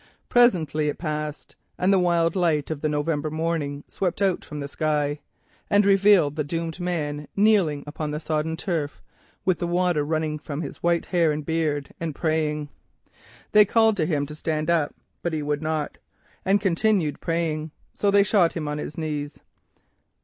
Presently it passed, the wild light of the November morning swept out from the sky, and revealed the doomed man kneeling in prayer upon the sodden turf, the water running from his white hair and beard. "They called to him to stand up, but he would not, and continued praying. So they shot him on his knees."